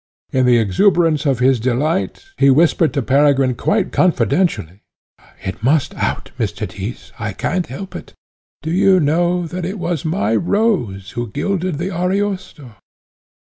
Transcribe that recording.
In the exuberance of his delight, he whispered to Peregrine quite confidentially, "It must out, Mr. Tyss, I can't help it. Do you know, that it was my Rose who gilded the Ariosto?"